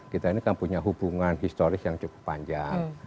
kita ini kan punya hubungan historis yang cukup panjang